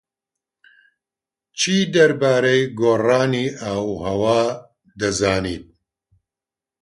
چی دەربارەی گۆڕانی ئاووهەوا دەزانیت؟